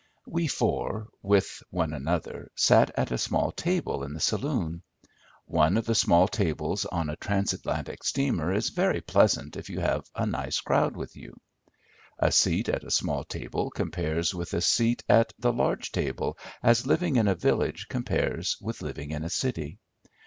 We four, with one other, sat at a small table in the saloon. One of the small tables on a Transatlantic steamer is very pleasant if you have a nice crowd with you. A seat at a small table compares with a seat at the large table as living in a village compares with living in a city.